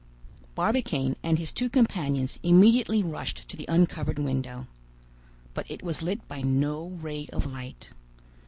Barbicane and his two companions immediately rushed to the uncovered window. But it was lit by no ray of light.